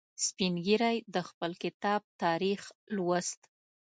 سپین ږیری د خپل کتاب تاریخ لوست.